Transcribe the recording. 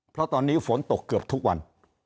เพราะตอนนี้ฝนตกเกือบทุกวัน